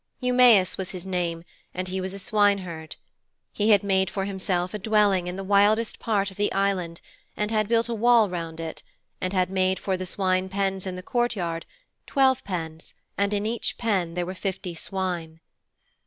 Eumæus was his name, and he was a swineherd. He had made for himself a dwelling in the wildest part of the island, and had built a wall round it, and had made for the swine pens in the courtyard twelve pens, and in each pen there were fifty swine.